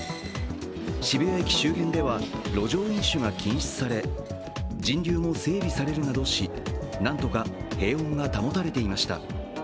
渋谷駅周辺では路上飲酒が禁止され人流も整理されるなどしなんとか平穏が保たれていました。